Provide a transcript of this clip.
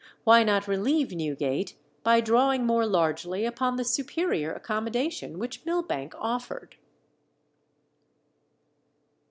Why not relieve Newgate by drawing more largely upon the superior accommodation which Millbank offered?